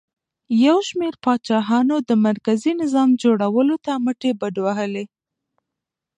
یو شمېر پاچاهانو د مرکزي نظام جوړولو ته مټې بډ وهلې